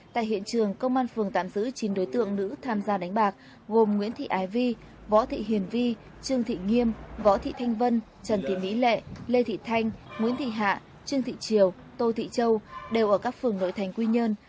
tại hiện trường công an phường tạm giữ chín đối tượng nữ tham gia đánh bạc gồm nguyễn thị ái vi võ thị hiền vi trương thị nghiêm võ thị thanh vân trần thị mỹ lệ lê thị thanh nguyễn thị hạ trương thị triều tô thị châu đều ở các phường nội thành quy nhơn